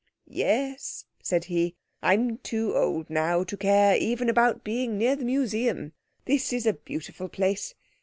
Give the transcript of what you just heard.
"Yes," said he, "I'm too old now to care even about being near the Museum. This is a beautiful place.